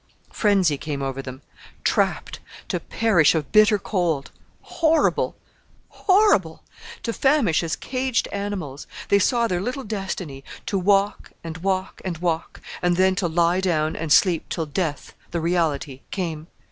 Frenzy came over them. Trapped! To perish of bitter cold! Horrible!... Horrible! To famish as caged animals. They saw their little destiny to walk, and walk, and walk, and then to lie down and sleep till death, the reality, came.